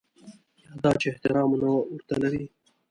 یا دا چې احترام نه ورته لري.